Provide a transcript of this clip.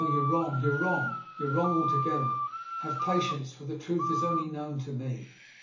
you're wrong; you're wrong all wrong together! Have patience, for the truth is only known to me!